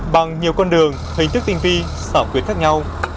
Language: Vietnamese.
bằng nhiều con đường hình thức tinh vi xảo quyệt khác nhau